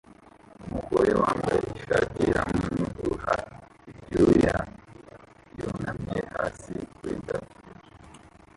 Umugore wambaye ishati hamwe nuduha ibyuya yunamye hasi kuri tapi